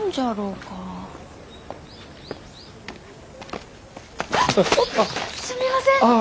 あっ！すみません。